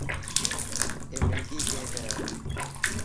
اي ملڪي ڪيڪ هي.